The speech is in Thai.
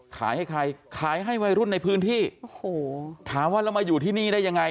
ขายให้ใครขายให้วัยรุ่นในพื้นที่โอ้โหถามว่าเรามาอยู่ที่นี่ได้ยังไง